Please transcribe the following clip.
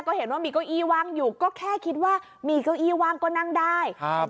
ก็เห็นว่ามีเก้าอี้ว่างอยู่ก็แค่คิดว่ามีเก้าอี้ว่างก็นั่งได้ครับ